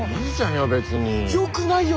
よくないよ！